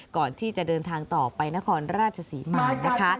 ก่อนที่จะเดินทางต่อไปนครราชศรีมานะคะ